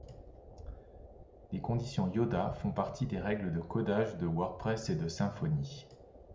Les conditions Yoda font partie des règles de codage de WordPress et de Symfony.